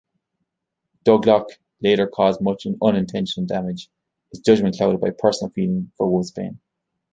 Douglock later caused much unintentional damage, his judgement clouded by personal feelings for Wolfsbane.